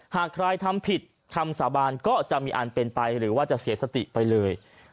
หากใครทำผิดคำสาบานก็จะมีอันเป็นไปหรือว่าจะเสียสติไปเลย